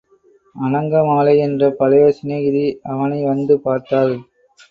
அநங்கமாலை என்ற பழைய சிநேகிதி அவனை வந்து பார்த்தாள்.